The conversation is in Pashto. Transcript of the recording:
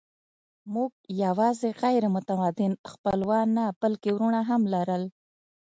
موږ یواځې غیر متمدن خپلوان نه، بلکې وروڼه هم لرل.